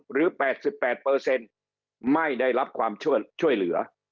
หรือ๘๘ไม่ได้รับความช่วยเหลือ